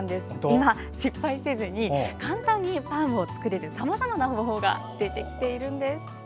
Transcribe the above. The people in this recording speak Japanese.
今、失敗せずに簡単にパンを作れるさまざまな方法が出てきているんです。